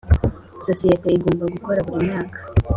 Sosiyete igomba gukora buri mwaka